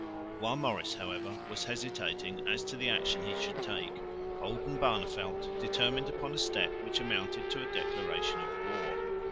While Maurice, however, was hesitating as to the action he should take, Oldenbarneveldt determined upon a step which amounted to a declaration of war.